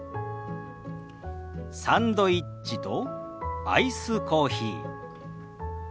サンドイッチとアイスコーヒー。